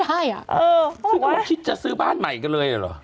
สุดท้ายคิดจะซื้อบ้านใหม่กันเลยเหรอ